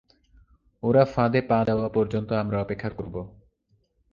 ওরা ফাঁদে পা দেওয়া পর্যন্ত আমরা অপেক্ষা করবো।